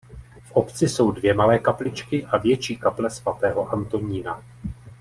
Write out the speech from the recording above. V obci jsou dvě malé kapličky a větší kaple svatého Antonína.